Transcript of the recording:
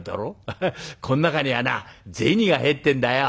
ハハッこん中にはな銭が入ってんだよ。